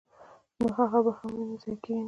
نو هغه به هم وويني، ضائع کيږي نه!!.